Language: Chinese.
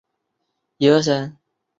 肌束膜。